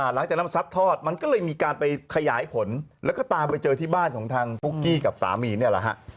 หลังจากนั้นมันซัดทอดมันก็เลยมีการไปขยายผลแล้วก็ตามไปเจอที่บ้านของทางปุ๊กกี้กับสามีเนี่ยแหละฮะ